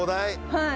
はい。